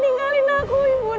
imun di mana kamu